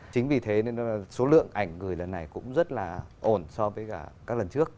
chính vì thế nên số lượng ảnh gửi lần này cũng rất là ổn so với cả các lần trước